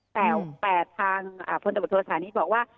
แต่ทางพลตะบุตรศาลนี้บอกว่า